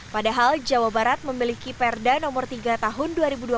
padahal jawa barat memiliki perda nomor tiga tahun dua ribu dua puluh